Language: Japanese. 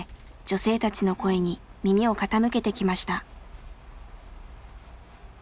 女性たちの声に耳を傾けてきました。